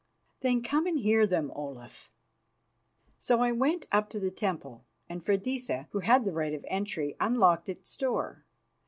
"Then come and hear them, Olaf." So we went up to the temple, and Freydisa, who had the right of entry, unlocked its door.